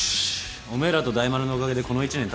おめえらと大丸のおかげでこの一年楽しかったわ。